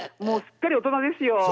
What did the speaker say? もうすっかり大人ですよ。